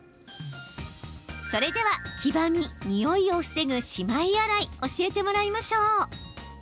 それでは、黄ばみ、においを防ぐしまい洗い教えてもらいましょう。